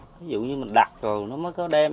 ví dụ như mình đặt rồi nó mới có đem